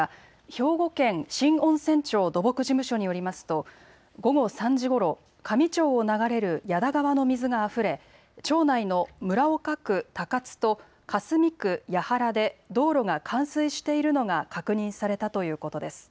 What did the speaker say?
兵庫県新温泉町土木事務所によりますと午後３時ごろ香美町を流れる矢田川の水があふれ町内の村岡区高津と香住区八原で道路が冠水しているのが確認されたということです。